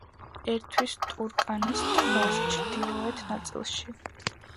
ერთვის ტურკანის ტბას, ჩრდილოეთ ნაწილში.